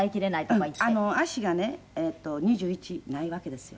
足がね２１ないわけですよ。